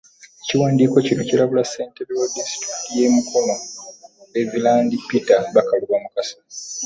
Ekiwandiiko kino kirabula Ssentebe wa disitulikiti y'e Mukono, Leviranda Peter Bakaluba Mukasa